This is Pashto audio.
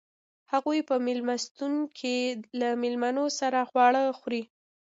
هغوئ په میلمستون کې له میلمنو سره خواړه خوري.